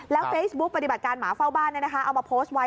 เฟซบุ๊คปฏิบัติการหมาเฝ้าบ้านเอามาโพสต์ไว้